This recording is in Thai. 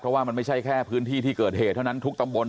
เพราะว่ามันไม่ใช่แค่พื้นที่ที่เกิดเหตุเท่านั้นทุกตำบล